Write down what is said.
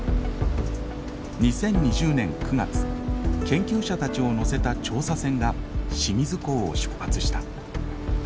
２０２０年９月研究者たちを乗せた調査船が清水港を出発した。